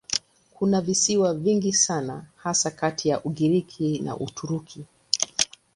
Kuna visiwa vingi sana hasa kati ya Ugiriki na Uturuki.